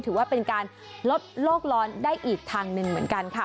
ถือว่าเป็นการลดโลกร้อนได้อีกทางหนึ่งเหมือนกันค่ะ